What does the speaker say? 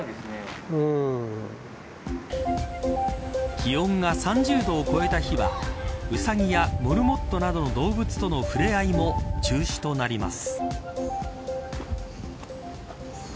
気温が３０度を超えた日はウサギやモルモットなどの動物とのふれあいも中止となります。